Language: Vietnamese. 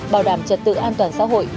bảo đảm trật tự an toàn xã hội